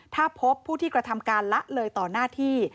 ถ้าพบผู้ที่กระทำการละเลยต่อหน้าที่